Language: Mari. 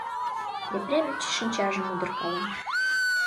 Епрем шинчажым удыркала...